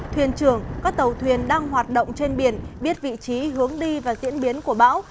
thuyền trưởng các tàu thuyền đang hoạt động trên biển biết vị trí hướng đi và diễn biến của bão